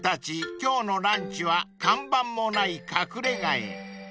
今日のランチは看板もない隠れ家へ］